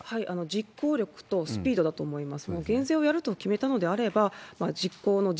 実行力とスピードだと思います。